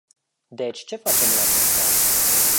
Deci, ce facem în acest caz?